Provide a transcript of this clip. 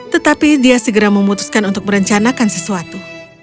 tetapi dia segera memutuskan untuk merencanakan sesuatu